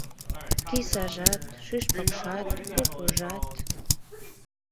Кисажат, шӱшпыкшат, кукужат